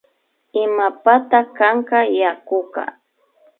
Imapata kanka yakuka